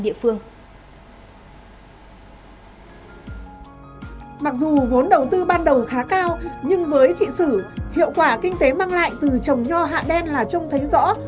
mặc dù vốn đầu tư ban đầu khá cao nhưng với chị sử hiệu quả kinh tế mang lại từ trồng nho hạ đen là trông thấy rõ